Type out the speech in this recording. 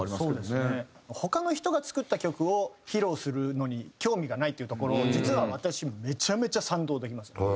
他の人が作った曲を披露するのに興味がないっていうところ実は私めちゃめちゃ賛同できます。